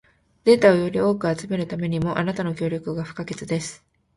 データをより多く集めるためにも、あなたの協力が不可欠です。